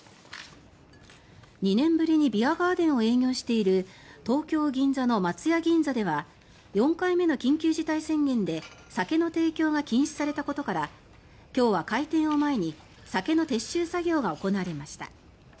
２年ぶりにビアガーデンを営業している東京・銀座の松屋銀座では４回目の緊急事態宣言で酒の提供が禁止されたことから今日は開店を前に酒の撤収作業が行われました。